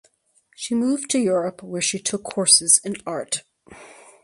She moved to Europe where she took courses in art.